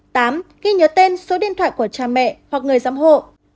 tám ghi nhớ tên số điện thoại của cha mẹ hoặc người giám hộ